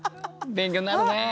勉強になる！